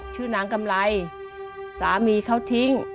ชื่อนางกำไรสามีเขาทิ้ง